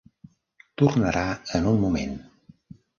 Tornarà en un moment.